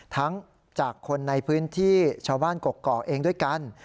จากคนในพื้นที่ชาวบ้านกกอกเองด้วยกัน